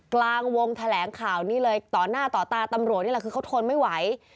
กลางวงแถลงข่าวนี้เลยต่อหน้าต่อตาตำรวจนี่แหละคือเขาทนไม่ไหว